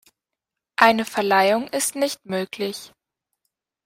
Eine Verleihung ist nicht möglich.